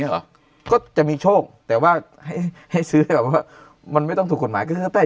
นี้อ่ะก็จะมีโชคแต่ว่าให้ซื้อมันไม่ต้องถูกหมายคือใต้